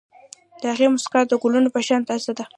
د هغې موسکا د ګلونو په شان تازه ده.